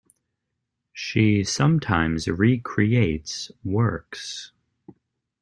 She sometimes re-creates works.